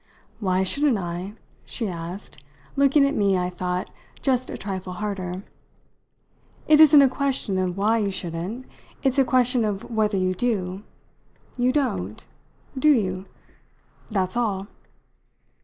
"Why shouldn't I?" she asked, looking at me, I thought, just a trifle harder. "It isn't a question of why you shouldn't it's a question of whether you do. You don't do you? That's all."